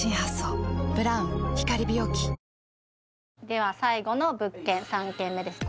では最後の物件３軒目です